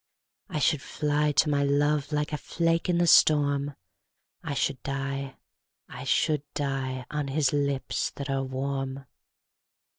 I should fly to my love Like a flake in the storm, I should die, I should die, On his lips that are warm.